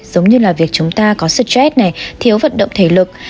giống như là việc chúng ta có sergress này thiếu vận động thể lực